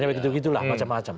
kayak begitu begitulah macam macam